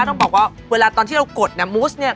ต้องบอกว่าเวลาตอนที่เรากดเนี่ยมูสเนี่ย